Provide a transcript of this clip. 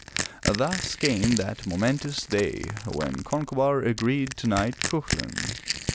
Thus came that momentous day when Concobar agreed to knight Cuchulain.